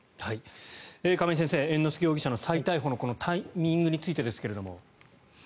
亀井先生、猿之助容疑者の再逮捕のタイミングについてですが。